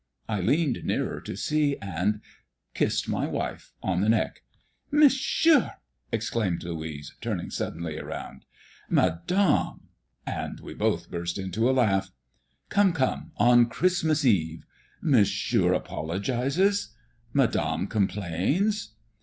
I leaned nearer to see and kissed my wife on the neck. "Monsieur!" exclaimed Louise, turning suddenly around. "Madame!" and we both burst into a laugh. "Come, come; on Christmas Eve!" "Monsieur apologizes?" "Madame complains?"